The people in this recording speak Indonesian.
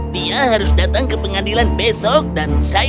dia harus datang ke pengadilan besok dan saya